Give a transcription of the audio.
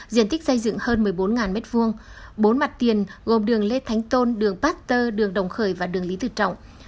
diện tích xây dựng hơn một mươi bốn m hai bốn mặt tiền gồm đường lê thánh tôn đường bát tơ đường đồng khởi và đường lý tự trọng